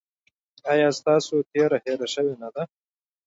ایا ستاسو تیره هیره شوې نه ده؟